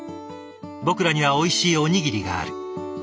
僕らにはおいしいおにぎりがある。